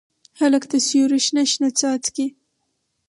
هلک د سیورو شنه، شنه څاڅکي